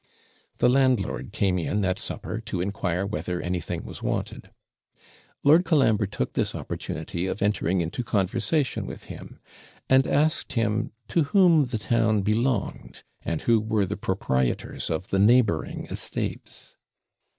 The landlord came in at supper to inquire whether anything was wanted. Lord Colambre took this opportunity of entering into conversation with him, and asked him to whom the town belonged, and who were the proprietors of the neighbouring estates.